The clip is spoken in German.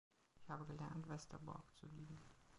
Ich habe gelernt, Westerbork zu lieben.